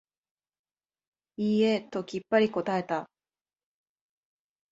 いいえ、ときっぱり答えた。